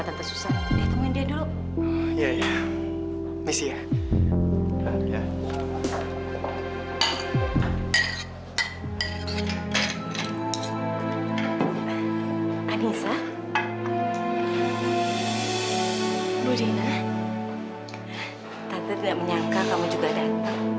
tante tidak menyangka kamu juga datang